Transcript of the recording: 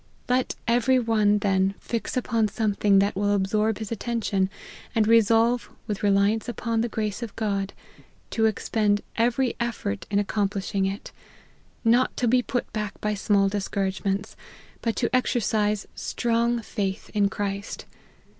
Let every one, then, fix upon something that will ab sorb his attention, and resolve, with reliance upon the grace of God, to expend every effort in ac complishing it ; not to be put back by small dis couragements, but to exercise STRONG FAITH IN CHRIST.